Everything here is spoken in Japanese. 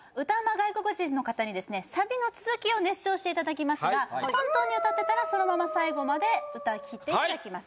外国人の方にですねサビの続きを熱唱していただきますが本当に歌ってたらそのまま最後まで歌いきっていただきます